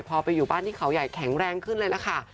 พอไปอยู่บ้านที่เขาใหญ่แข็งแรงขึ้นเลยล่ะค่ะ